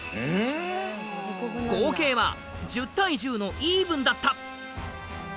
合計は１０対１０のイーブンだった。